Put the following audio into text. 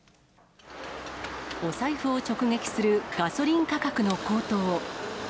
お財布を直撃する、ガソリン価格の高騰。